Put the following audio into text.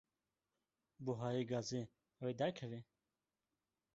Buhayê gazê ew ê dakeve?